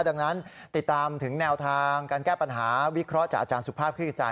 ดังนั้นติดตามถึงแนวทางการแก้ปัญหาวิเคราะห์จากอาจารย์สุภาพคลิกจา